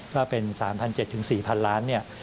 ว่าเป็น๓๗๔๐๐๐ล้านเนี่ย